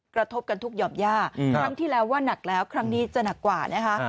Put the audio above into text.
กระทบกันทุกหย่อมย่าครั้งที่แล้วว่านักแล้วครั้งนี้จะหนักกว่านะคะ